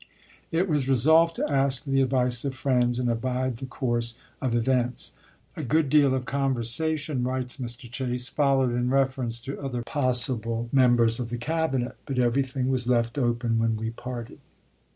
It was resolved to ask the advice of friends, and abide the course of events. "A good deal of conversation," writes Mr. Chase, "followed in reference to other possible 360 ABRAHAM LINCOLN ch. xxii. members of the Cabinet, but everything was left open when we parted."